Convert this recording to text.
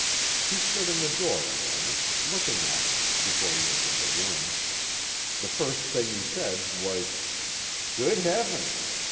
He stood in the door a moment, looking at me, before he entered the room. The first thing he said was: "Good Heavens!